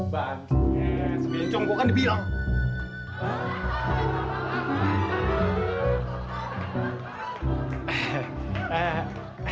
bahannya sebencong gua kan dibilang